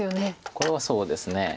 これはそうですね。